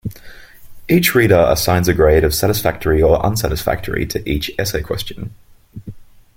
Each reader assigns a grade of Satisfactory or Unsatisfactory to each essay question.